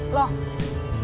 kok kamu jalan kaki sih